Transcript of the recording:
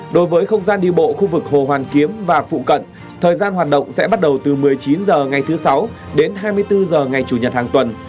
đối với không gian đi bộ khu vực hồ hoàn kiếm và phụ cận thời gian hoạt động sẽ bắt đầu từ một mươi chín h ngày thứ sáu đến hai mươi bốn h ngày chủ nhật hàng tuần